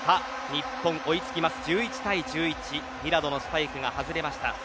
日本、追い着きます１１対１１ミラドのスパイクが外れました。